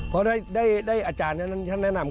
เพราะได้อาจารย์ท่านนั้นฉันแนะนำ